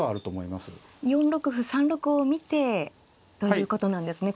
４六歩３六を見てということなんですね。